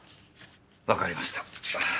わかりました。